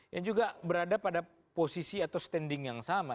yang juga berada pada posisi atau standing yang sama